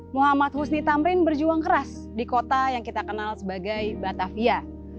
muhammad husni tamrin berjuang keras di kota yang kita kenal sebagai batavia